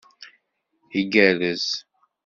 Igerrez!